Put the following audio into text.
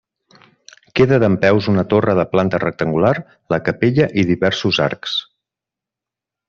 Queda dempeus una torre de planta rectangular, la capella i diversos arcs.